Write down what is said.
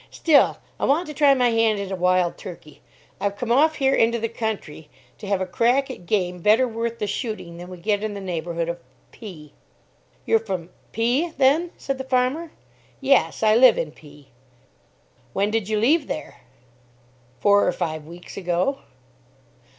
"Still, I want to try my hand at a wild turkey. I've come off here into the country to have a crack at game better worth the shooting than we get in the neighbourhood of P ." "You're from P , then?" said the farmer. "Yes, I live in P ." "When did you leave there?" "Four or five weeks ago."